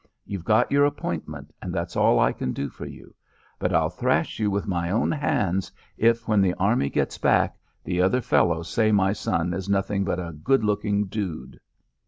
You've got your appointment, and that's all I can do for you; but I'll thrash you with my own hands if, when the Army gets back, the other fellows say my son is 'nothing but a good looking dude.'"